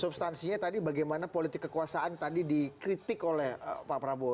substansinya tadi bagaimana politik kekuasaan tadi dikritik oleh pak prabowo